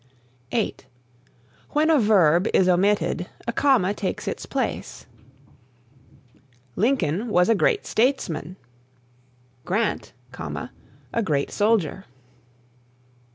(8) When a verb is omitted a comma takes its place: "Lincoln was a great statesman; Grant, a great soldier."